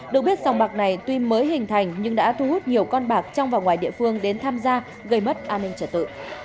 được biết sòng bạc này tuy mới hình thành nhưng đã thu hút nhiều con bạc trong và ngoài địa phương đến tham gia gây mất an ninh trật tự